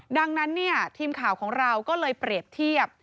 ดังนั้นทีมข่าวของเราก็เลยเปรียบเทียบ